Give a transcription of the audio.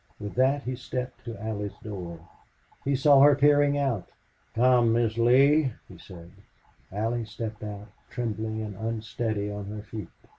With that he stepped to Allie's door. He saw her peering out. "Come, Miss Lee," he said. Allie stepped out, trembling and unsteady on her feet.